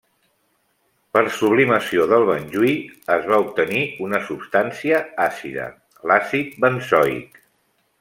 Per sublimació del benjuí es va obtenir una substància àcida, l'àcid benzoic.